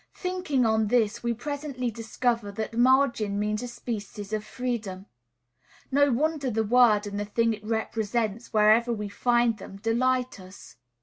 Thinking on this, we presently discover that margin means a species of freedom. No wonder the word, and the thing it represents, wherever we find them, delight us.